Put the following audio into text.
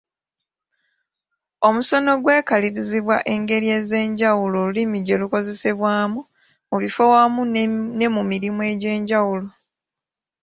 Omusono gwekalirizibwa engeri ez’enjawulo olulimi gye lukozesebwamu mu bifo wamu ne mu mirimu egy’enjawulo.